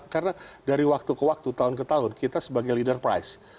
karena dari waktu ke waktu tahun ke tahun kita sebagai leader price